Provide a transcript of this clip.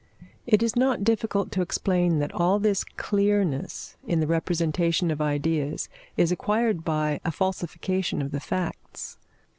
It is not difficult to explain that all this clearness in the representation of ideas is acquired by a falsification of the facts.